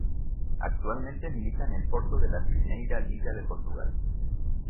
Actualmente milita en el Porto de la Primeira Liga de Portugal.